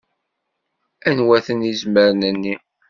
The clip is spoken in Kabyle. Anwa-ten izmaren-nni?